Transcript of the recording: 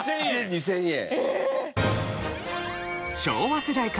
２０００円。